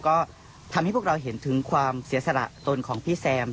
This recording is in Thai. ก็ทำให้พวกเราเห็นถึงความเสียสละตนของพี่แซม